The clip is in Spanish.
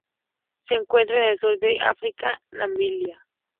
Se encuentra en el sur de África, Namibia.